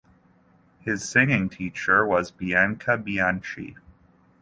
His singing teacher was Bianca Bianchi.